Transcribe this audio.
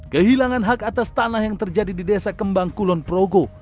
kehilangan hak atas tanah yang terjadi di desa kembang kulon progo